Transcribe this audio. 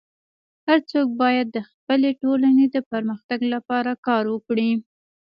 هر څوک باید د خپلي ټولني د پرمختګ لپاره کار وکړي.